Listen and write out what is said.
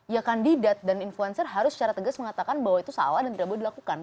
ya kandidat dan influencer harus secara tegas mengatakan bahwa itu salah dan tidak boleh dilakukan